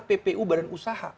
ppu badan usaha